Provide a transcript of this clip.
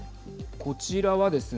こちらはですね